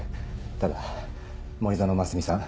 ただ森園真澄さん